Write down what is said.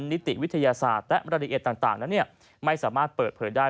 นิติวิทยาศาสตร์และรายละเอียดต่างนั้นไม่สามารถเปิดเผยได้